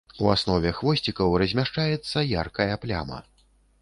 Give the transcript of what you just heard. У аснове хвосцікаў размяшчаецца яркая пляма.